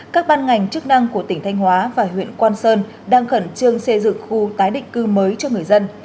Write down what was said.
các ban ngành chức năng của tỉnh thanh hóa và huyện quang sơn đang khẩn trương xây dựng khu tái định cư mới cho người dân